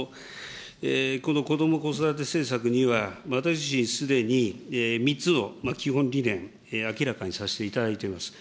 このこども・子育て政策には、私自身、すでに３つの基本理念、明らかにさせていただいています。